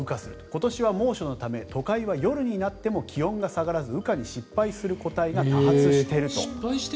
今年は猛暑のため、都会は夜になっても気温が下がらず羽化に失敗する個体が多発していると。